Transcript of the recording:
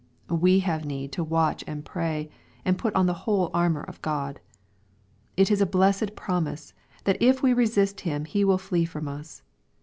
We have need to watch and pray, and put on the whole armor of Grod. It is a blessed promise, that if we resist him he will flee from us.